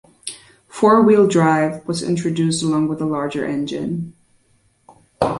Four-wheel-drive was introduced along with the larger engine.